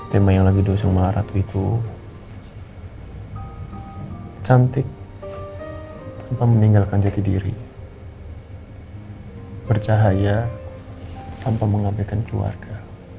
tema yang lagi doseng maharatu itu cantik tanpa meninggalkan jati diri bercahaya tanpa mengamilkan keluarga